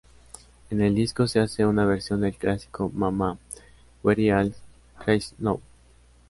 En el disco se hace una versión del clásico "Mama, We're All Crazy Now".